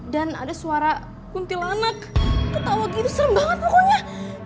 dan ada suara kuntilanak ketawa gitu serem banget pokoknya